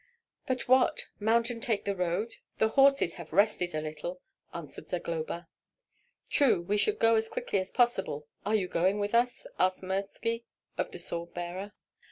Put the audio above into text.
"But what? Mount and take the road; the horses have rested a little," answered Zagloba. "True, we should go as quickly as possible! Are you going with us?" asked Mirski of the sword bearer.